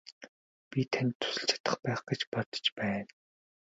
Би танд тусалж чадах байх гэж бодож байна.